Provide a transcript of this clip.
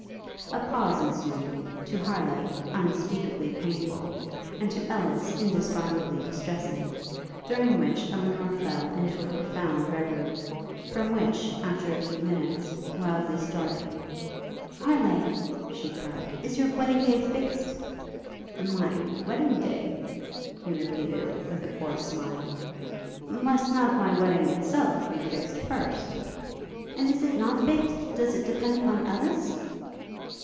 A pause ensued, to Harleigh unspeakably painful, and to Ellis indescribably distressing; during which Elinor fell into a profound reverie, from which, after a few minutes, wildly starting, 'Harleigh,' she cried, 'is your wedding day fixed?' 'My wedding day?' he repeated, with a forced smile, 'Must not my wedding itself be fixed first?' 'And it is not fixed? Does it depend upon Ellis?'